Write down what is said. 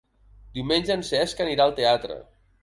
Diumenge en Cesc anirà al teatre.